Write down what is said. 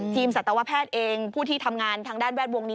สัตวแพทย์เองผู้ที่ทำงานทางด้านแวดวงนี้